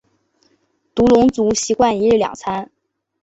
独龙族习惯一日两餐。